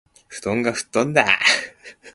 布団が吹っ飛んだあ